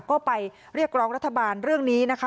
ก็ไปเรียกร้องรัฐบาลเรื่องนี้นะคะ